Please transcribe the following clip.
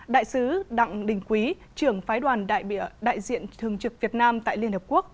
đại sứ đặng đình quý trưởng phái đoàn đại diện thường trực việt nam tại liên hợp quốc